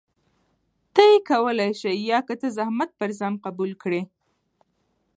ته يې کولى شې يا که ته زحمت پر ځان قبول کړي؟